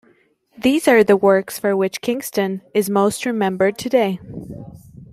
These are the works for which Kingston is most remembered today.